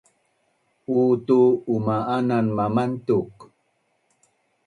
utu uma’anan mamantuk